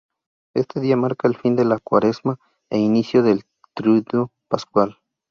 Este día marca el fin de la Cuaresma e inicio del Triduo Pascual.